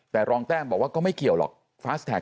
แต่รองแต้งบอกว่าก็ไม่เกี่ยวหรอก